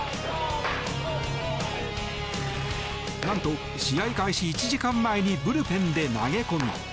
何と、試合開始１時間前にブルペンで投げ込み。